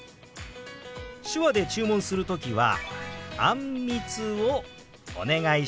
手話で注文する時は「あんみつをお願いします」と表現します。